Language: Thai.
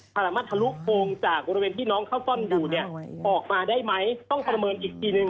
สามารถทะลุโปรงจากบริเวณที่น้องเข้าซ่อนอยู่เนี่ยออกมาได้ไหมต้องประเมินอีกทีหนึ่ง